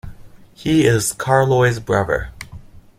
He is Skarloey's brother.